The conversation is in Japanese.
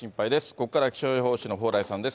ここからは気象予報士の蓬莱さんです。